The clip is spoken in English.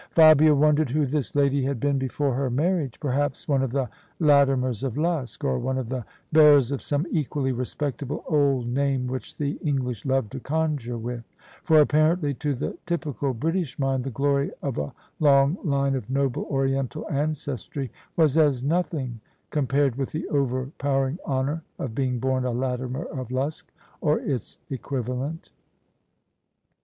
Fabia wondered who this lady had been before her mar riage: perhaps one of the Latimers of Luske, or one of the bearers of some equally respectable old name which the Eng lish love to conjure with: for apparently to the typical British mind the glory of a long line of noble Oriental ancestry was as nothing compared with the overpower ing honour of being born a Latimer of Luske— or its equivalent.